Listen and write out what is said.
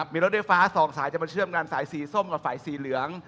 มีรถไฟฟ้า๒สายจะมาเชื่อมกันสายสีส้มกับสายสีเหลือง